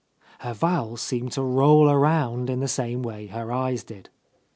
Her vowels seemed to roll about in the same way her eyes did.)